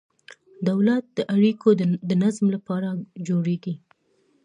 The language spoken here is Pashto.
دولت د اړیکو د نظم لپاره جوړیږي.